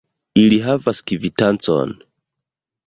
Ili havas kvitancon.